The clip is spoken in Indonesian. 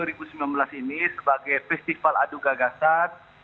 ini sebagai festival aduk gagasan